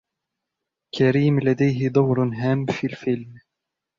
كريم لديهِ دور هام في الفيلم.